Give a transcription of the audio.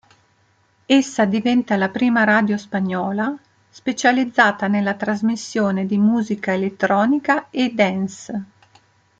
Essa diventa la prima radio spagnola specializzata nella trasmissione di musica elettronica e dance.